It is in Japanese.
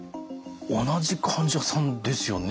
同じ患者さんですよね。